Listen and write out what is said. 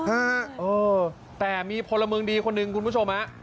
ฮะเออแต่มีพลเมืองดีคนหนึ่งคุณผู้ชมฮะ